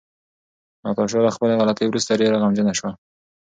ناتاشا له خپلې غلطۍ وروسته ډېره غمجنه شوه.